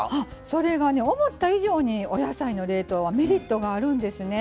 それがね思った以上にお野菜の冷凍はメリットがあるんですね。